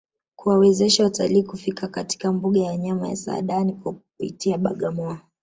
Kuwawezesha watalii kufika katika mbuga ya wanyama ya Saadani kupitia Bagamoyo